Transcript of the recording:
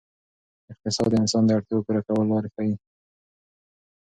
اقتصاد د انسان د اړتیاوو پوره کولو لارې ښيي.